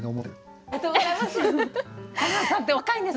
ありがとうございます。